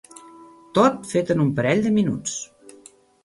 Tot fet en un parell de minuts.